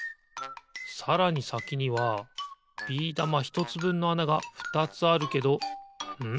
さらにさきにはビー玉ひとつぶんのあながふたつあるけどん？